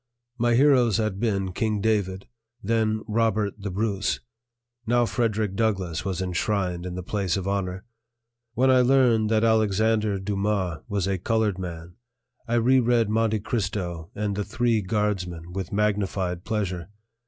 My heroes had been King David, then Robert the Bruce; now Frederick Douglass was enshrined in the place of honor. When I learned that Alexandre Dumas was a colored man, I re read Monte Cristo and The Three Guardsmen with magnified pleasure.